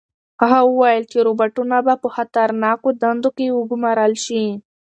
هغه وویل چې روبوټونه به په خطرناکو دندو کې وګمارل شي.